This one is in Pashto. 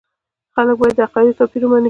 خلک باید د عقایدو توپیر ومني.